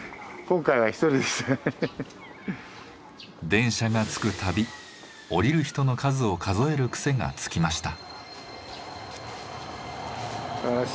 電車が着くたび降りる人の数を数える癖がつきました。